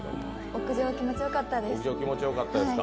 屋上、気持ちよかったです。